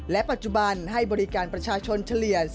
และปัจจุบันให้บริการประชาชนเฉลี่ย๔๕๐๐๐คนต่อวัน